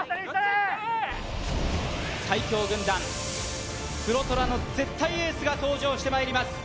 最強軍団・黒虎の絶対エースが登場してまいります